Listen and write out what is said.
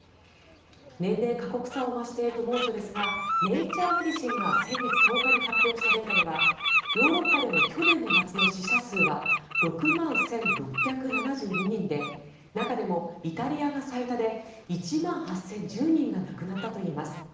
年々過酷さを増していく猛暑ですが「ネイチャーメディシン」が先月１０日に発表したデータではヨーロッパでの去年の夏の死者数は６万１６７２人で中でもイタリアが最多で１万８０１０人が亡くなったといいます。